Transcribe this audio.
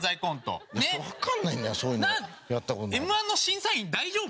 Ｍ−１の審査員大丈夫？